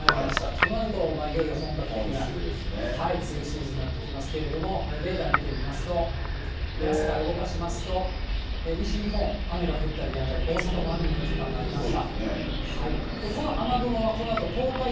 となると、いよいよ本格的な梅雨シーズンなってきますけど、レーダー見てみますと、朝から動かしますと、西日本、雨が降ったりやんだり、大阪も雨の時間がありました。